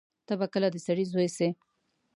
ته به کله د سړی زوی سې.